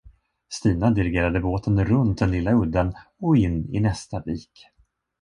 Stina dirigerade båten runt den lilla udden och in i nästa vik.